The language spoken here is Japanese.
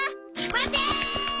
待て！